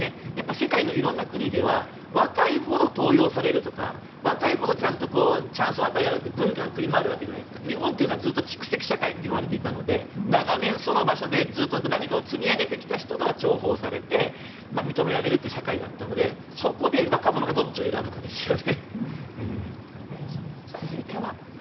世界の色んな国では若いほど登用されるとか若いほどちゃんとチャンスを与えられる文化の国もあるわけじゃないですか日本はずっと蓄積の社会といわれていたので長年、その場所でずっと何かを積み上げてきた人が重宝されて、認められるという社会だったのでそこで若者がどっちを選ぶかですよね。